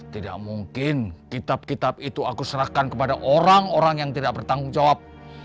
tidak mungkin kitab kitab itu aku serahkan kepada orang orang yang tidak bertanggung jawab